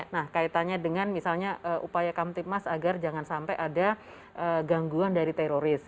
nah kaitannya dengan misalnya upaya kamtipmas agar jangan sampai ada gangguan dari teroris